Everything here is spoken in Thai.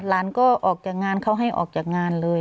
หลานก็ออกจากงานเขาให้ออกจากงานเลย